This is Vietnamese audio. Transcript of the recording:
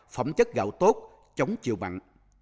phẩm chất gạo tốt chống chịu mặn